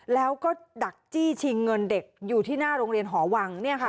แล้วก็ดักจี้ชิงเงินเด็กอยู่ที่หน้าโรงเรียนหอวัง